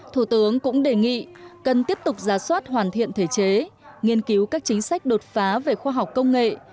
thủ tướng cũng đề nghị cần tiếp tục ra soát hoàn thiện thể chế nghiên cứu các chính sách đột phá về khoa học công nghệ